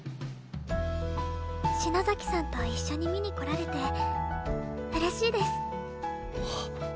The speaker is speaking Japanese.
篠崎さんと一緒に見に来られて嬉しいです。